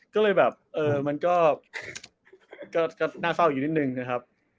ก็เลยแบบเออมันก็น่าเศร้าอยู่นิดนึงนะครับ